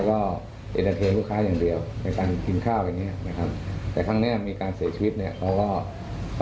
ก็ก็แปลกใจว่าทำไมพี่สาวกันตาย